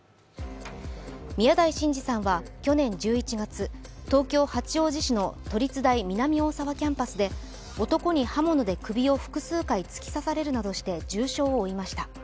宮台真司さんは去年１１月、東京・八王子市の都立大・南大沢キャンパスで男に刃物で首を複数回突き刺されるなどして重傷を負いました。